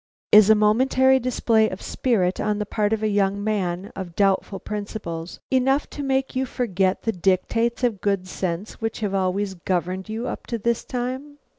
Is a momentary display of spirit on the part of a young man of doubtful principles, enough to make you forget the dictates of good sense which have always governed you up to this time?"